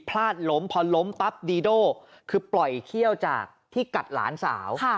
พลาดล้มพอล้มปั๊บดีโด่คือปล่อยเขี้ยวจากที่กัดหลานสาว